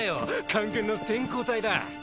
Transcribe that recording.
官軍の先行隊だ。